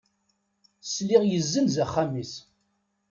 Sliɣ yezzenz axxam-is.